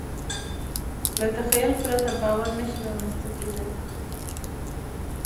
له تخیل پرته باور نهشي رامنځ ته کېدی.